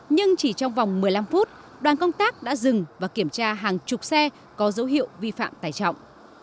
nhưng chỉ trong vòng một mươi năm phút đoàn công tác đã dừng và kiểm tra hàng chục xe có dấu hiệu vi phạm tài trọng